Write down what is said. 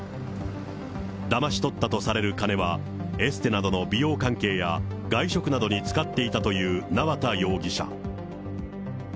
だまし取ったとされる金は、エステなどの美容関係や外食などに使っていたという縄田容疑者。